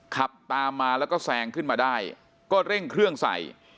ขับตามมาแล้วก็แซงขึ้นมาได้ก็เร่งเครื่องใส่